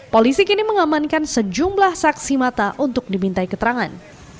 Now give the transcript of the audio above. polisi kini mengamankan sejumlah saksi mata untuk dimintai keterangan